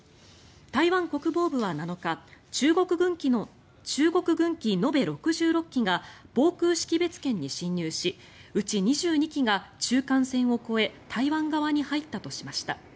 台湾国防部は７日中国軍機、延べ６６機が防空識別圏に進入しうち２２機が中間線を越え台湾側に入ったとしました。